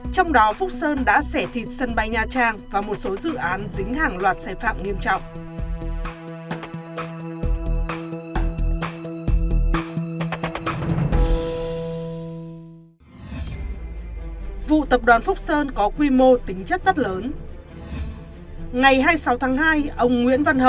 trong đó phúc sơn đã xẻ thịt sân bay nha trang và một số dự án dính hàng loạt sai phạm nghiêm trọng